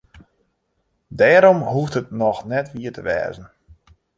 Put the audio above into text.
Dêrom hoecht it noch net wier te wêzen.